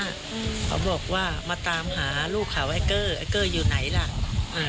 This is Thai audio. เขาบอกว่ามาตามหาลูกเขาไอ้เกอร์ไอ้เกอร์อยู่ไหนล่ะอ่า